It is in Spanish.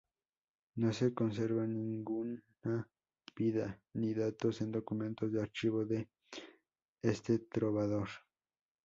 No se conserva ninguna "Vida" ni datos en documentos de archivo de este trovador.